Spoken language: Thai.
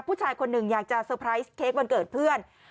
ผู้ชายคนหนึ่งอยากจะเตอร์ไพรส์เค้กวันเกิดเพื่อน